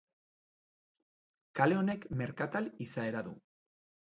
Kale honek merkatal izaera du.